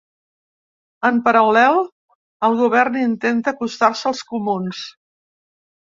En paral·lel, el govern intenta acostar-se als comuns.